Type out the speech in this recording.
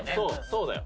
そうだよ。